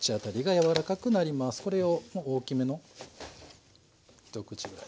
これを大きめの一口大に。